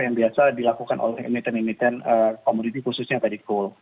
yang biasa dilakukan oleh emiten emiten komoditi khususnya pedikul